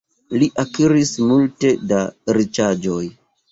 Li akiris multe da riĉaĵoj.